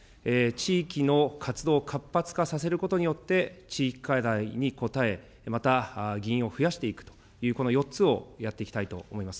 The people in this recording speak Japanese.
地域の活動を活発化させることによって、地域課題に応え、また議員を増やしていくという、この４つをやっていきたいと思います。